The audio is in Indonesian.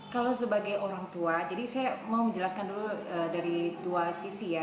kalau sebagai orang tua jadi saya mau menjelaskan dulu dari dua sisi ya